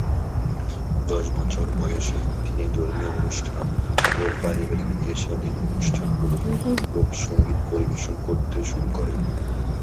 দশ বছর বয়সে তিনি ধর্মীয় অনুষ্ঠান ও পারিবারিক বিয়ে-শাদীর অনুষ্ঠানগুলোয় লোকসঙ্গীত পরিবেশন করতে শুরু করেন।